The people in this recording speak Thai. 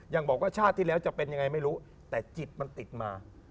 ยังบอกว่าชาติที่แล้วจะเป็นยังไงไม่รู้แต่จิตมันติดมา